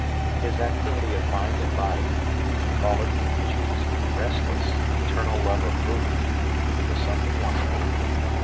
... His activity of mind and body, call it, if you choose, restless, eternal love of movement, was something wonderful."